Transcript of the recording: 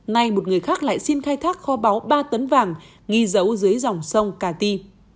nay một người khác lại xin khai thác kho báo ba tấn vàng nghi giấu dưới dòng sông cà ti